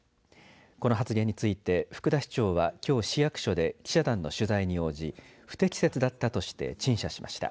この発言について福田市長はきょう市役所で記者団の取材に応じ不適切だったとして陳謝しました。